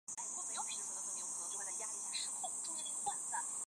庆云馆是位于日本山梨县南巨摩郡早川町西山温泉的一座旅馆。